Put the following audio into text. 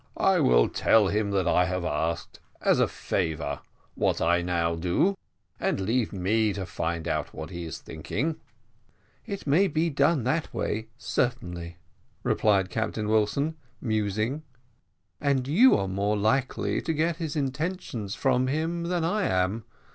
I will tell him that I have asked, as a favour, what I now do, and leave me to find out what he is thinking about." "It may be done that way, certainly," replied Captain Wilson, musing; "and you are more likely to get his intentions from him than I am.